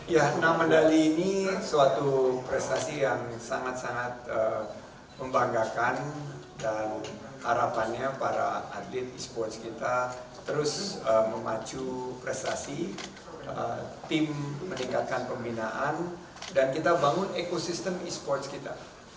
ya enam medali ini suatu prestasi yang sangat sangat membanggakan dan harapannya para atlet esports kita terus memacu prestasi tim meningkatkan pembinaan dan kita bangun ekosistem e sports kita